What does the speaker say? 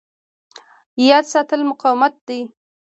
یاد ساتل مقاومت دی.